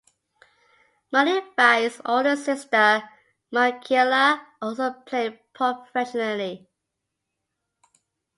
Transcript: MaliVai's older sister, Michaela, also played professionally.